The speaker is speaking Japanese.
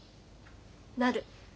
なる。